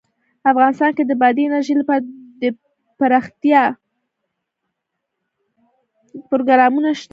افغانستان کې د بادي انرژي لپاره دپرمختیا پروګرامونه شته.